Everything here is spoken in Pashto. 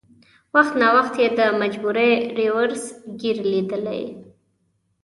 وخت ناوخت یې د مجبورۍ رېورس ګیر لېدلی.